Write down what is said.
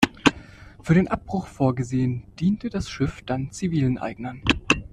Für den Abbruch vorgesehen, diente das Schiff dann zivilen Eignern.